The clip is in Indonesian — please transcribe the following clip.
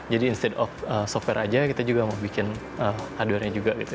jadi instead of software aja kita juga mau bikin hardware nya juga gitu